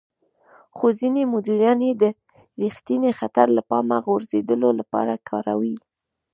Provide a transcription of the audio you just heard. خو ځينې مديران يې د رېښتيني خطر له پامه غورځولو لپاره کاروي.